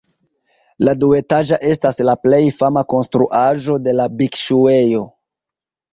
La duetaĝa estas la plej fama konstruaĵo de la bikŝuejo.